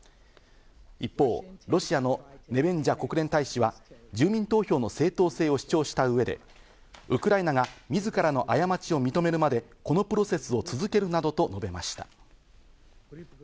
一方、ロシアのネベンジャ国連大使は住民投票の正当性を主張した上で、ウクライナが自らの過ちを認めるまでこのプロセスを続けるなどと述べました。